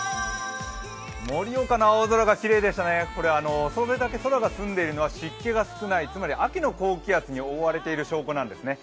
盛岡の青空がきれいでしたね、空が澄んでいるのは湿気が少ない、つまり秋の高気圧に覆われている証拠なんですね。